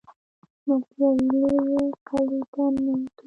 موږ یوې لویې قلعې ته ننوتو.